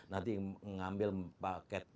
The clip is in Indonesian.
nanti mengambil paket